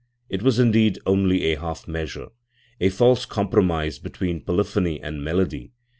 It was indeed only a half measure, a false compromise between polyphony and melody.